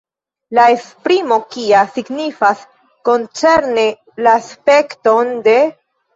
La esprimo “kia” signifas "koncerne la aspekton de".